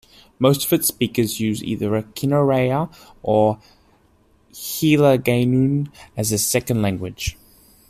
Most of its speakers use either Kinaray-a or Hiligaynon as their second language.